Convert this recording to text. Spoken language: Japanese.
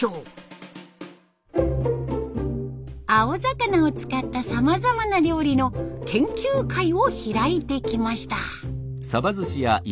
青魚を使ったさまざまな料理の研究会を開いてきました。